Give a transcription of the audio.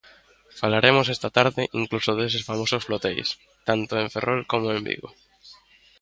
Falaremos esta tarde incluso deses famosos floteis, tanto en Ferrol como en Vigo.